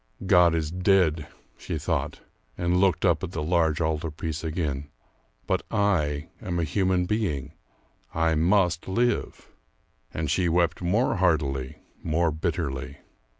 "God is dead," she thought, and looked up at the large altar piece again. "But I am a human being; I must live." And she wept more heartily, more bitterly....